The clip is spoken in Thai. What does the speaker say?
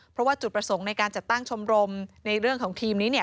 เพราะว่าจุดประสงค์ในการจัดตั้งชมรมในเรื่องของทีมนี้เนี่ย